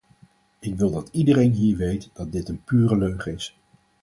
Ik wil dat iedereen hier weet dat dit een pure leugen is.